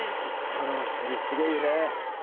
このセリフすごいよね